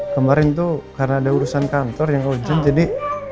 kemarin tuh karena ada urusan kantor yang urgent jadi